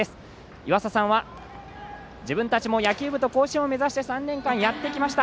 いわささんは、自分たちも野球部と甲子園を目指して３年間やってきました。